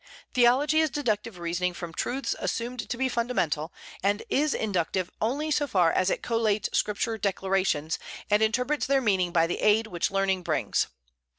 Theology is deductive reasoning from truths assumed to be fundamental, and is inductive only so far as it collates Scripture declarations, and interprets their meaning by the aid which learning brings.